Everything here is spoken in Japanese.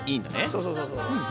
そうそうそうそうそう。